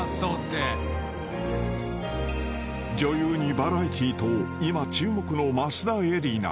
［女優にバラエティーと今注目の益田恵梨菜］